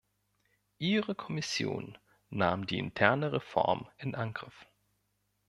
Ihre Kommission nahm die interne Reform in Angriff.